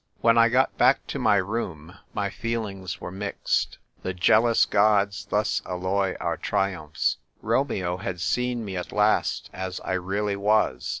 When I got back to my room my feelings were mixed. The jealous Gods thus alloy our triumphs. Romeo had seen me at last as I really was.